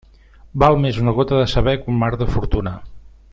Val més una gota de saber que un mar de fortuna.